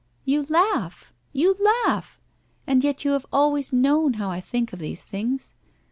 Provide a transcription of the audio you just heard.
* You laugh ! You laugh ! And yet you have always known how I think of these things.